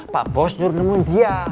pak bos nyurnemun dia